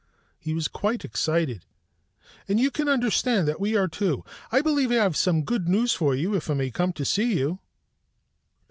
He was quite excited, and you can understand that we are too. I believe I have some good news for you, if I may come to see you."